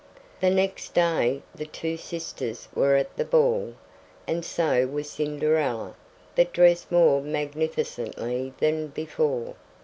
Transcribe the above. The next day the two sisters were at the ball, and so was Cinderella, but dressed more magnificently than before.